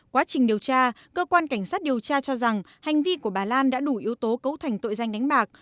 quá trình điều tra cơ quan cảnh sát điều tra cho rằng hành vi của bà lan đã đủ yếu tố cấu thành tội danh đánh bạc